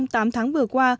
trong tám tháng vừa qua